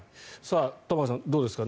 玉川さん、どうですか。